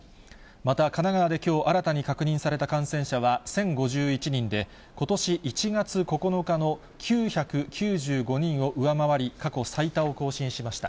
また神奈川できょう、新たに確認された感染者は１０５１人で、ことし１月９日の９９５人を上回り、過去最多を更新しました。